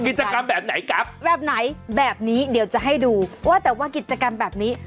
กิจกรรมแบบไหนครับแบบไหนแบบนี้เดี๋ยวจะให้ดูว่าแต่ว่ากิจกรรมแบบนี้